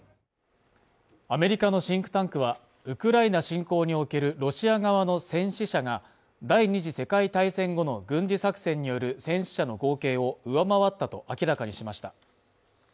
アメリカのシンクタンクは、ウクライナ侵攻におけるロシア側の戦死者が第二次世界大戦後の軍事作戦による戦死者の合計を上回ったと明らかにしました。